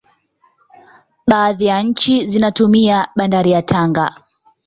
baadhi ya nchi zinatumia bandari ya tanga